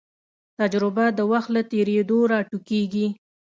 تجربه د وخت له تېرېدو راټوکېږي.